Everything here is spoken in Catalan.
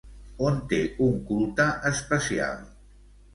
On té un culte especial?